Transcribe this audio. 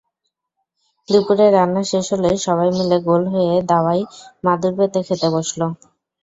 দুপুরে রান্না শেষ হলে সবাই মিলে গোল হয়ে দাওয়ায় মাদুর পেতে খেতে বসল।